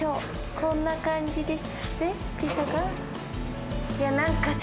こんな感じです。